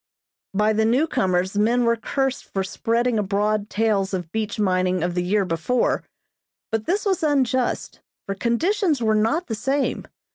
By the newcomers men were cursed for spreading abroad tales of beach mining of the year before, but this was unjust, for conditions were not the same.